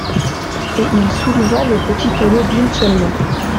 Et il souleva le petit tonneau d'une seule main.